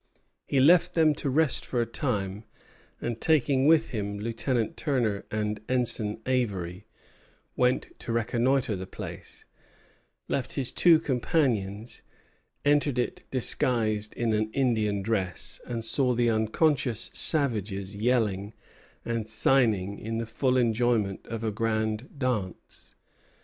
He left them to rest for a time, and, taking with him Lieutenant Turner and Ensign Avery, went to reconnoitre the place; left his two companions, entered it disguised in an Indian dress, and saw the unconscious savages yelling and signing in the full enjoyment of a grand dance.